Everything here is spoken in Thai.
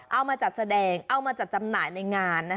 เอามาจัดแสดงเอามาจัดจำหน่ายในงาน